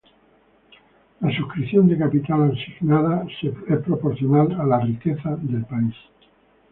La suscripción de capital asignada es proporcional a la riqueza del país.